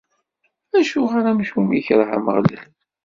Acuɣer amcum ikreh Ameɣlal?